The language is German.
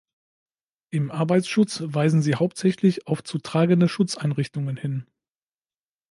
Im Arbeitsschutz weisen sie hauptsächlich auf zu tragende Schutzeinrichtungen hin.